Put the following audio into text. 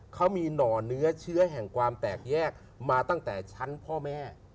เขามีหน่อเนื้อเชื้อแห่งความแตกแยกมาตั้งแต่ชั้นพ่อแม่